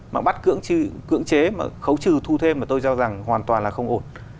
mà bắt cưỡng chế mà khấu trừ thu thêm mà tôi cho rằng hoàn toàn là không ổn